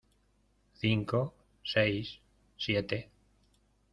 cinco, seis , siete